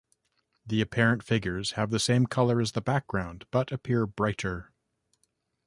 The apparent figures have the same color as the background, but appear brighter.